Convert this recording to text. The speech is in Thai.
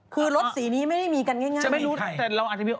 คือรถสีนี้ไม่ได้มีกันง่ายนะครับจะไม่รู้